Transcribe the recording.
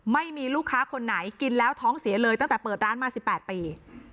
ไม่มีลูกค้าคนไหนกินแล้วท้องเสียเลยตั้งแต่เปิดร้านมา๑๘ปี